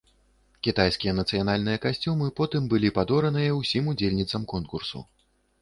Кітайскія нацыянальныя касцюмы потым былі падораныя ўсім удзельніцам конкурсу.